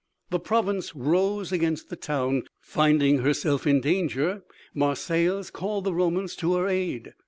The province rose against the town; finding herself in danger, Marseilles called the Romans to her aid.